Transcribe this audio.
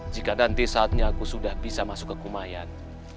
jika nanti saatnya aku sudah bisa masuk ke kumayan